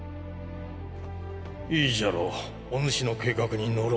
いいじゃろうお主の計画に乗ろう。